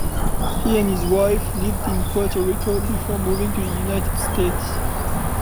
He and his wife lived in Puerto Rico before moving to the United States.